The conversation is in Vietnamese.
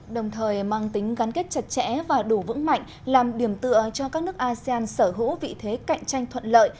đồng thời mang tính gắn kết chặt chẽ và đủ vững mạnh làm điểm tựa cho các nước asean sở hữu vị thế cạnh tranh thuận lợi